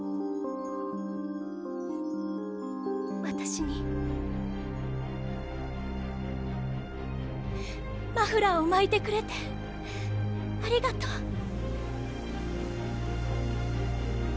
私にマフラーを巻いてくれてありがとう。